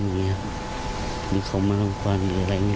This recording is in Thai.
หรือเขามะนำควันหรืออะไรแบบนี้